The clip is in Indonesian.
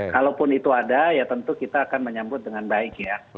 kalaupun itu ada ya tentu kita akan menyambut dengan baik ya